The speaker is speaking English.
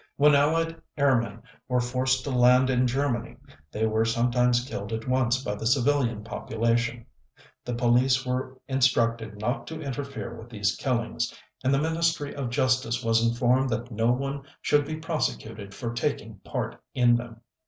When Allied airmen were forced to land in Germany, they were sometimes killed at once by the civilian population. The police were instructed not to interfere with these killings, and the Ministry of Justice was informed that no one should be prosecuted for taking part in them.